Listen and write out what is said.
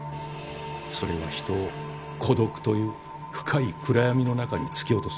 それは人を孤独という深い暗闇の中に突き落とす。